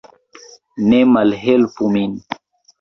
Ne malhelpu min!